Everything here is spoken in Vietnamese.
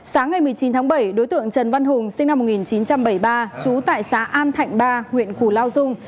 sáng ngày một mươi chín tháng bảy đối tượng trần văn hùng sinh năm một nghìn chín trăm bảy mươi ba trú tại xã an thạnh ba huyện củ lao dung